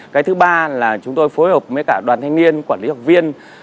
cái thứ ba là chúng tôi phối hợp với cả đoàn thanh niên quản lý học viên